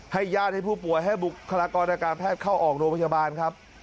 ญาติให้ผู้ป่วยให้บุคลากรอาการแพทย์เข้าออกโรงพยาบาลครับ